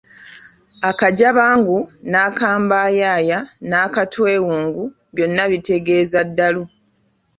Akajabangu n’akambayaaya n’akatwewungu byonna bitegeeza ddalu.